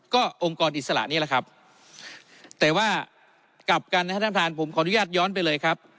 ก็องค์กรอิสระนี้แหละครับแต่ว่ากลับกันนะครับท่านประธานผมขออนุญาตย้อนไปเลยครับ